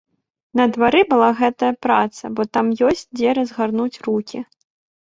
На двары была гэтая праца, бо там ёсць дзе разгарнуць рукі.